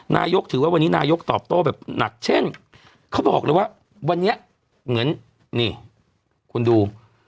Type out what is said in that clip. นายกถือว่าวันนี้นายกตอบโต้แบบหนักเช่นเขาบอกเลยว่าวันนี้เหมือนนี่คุณดู